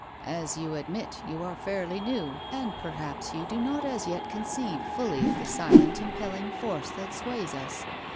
As you admit, you are fairly new, and perhaps you do not as yet conceive fully of the silent impelling force that sways us.